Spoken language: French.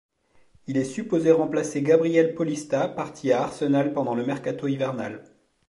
Il est supposé remplacer Gabriel Paulista parti à Arsenal pendant le mercato hivernal.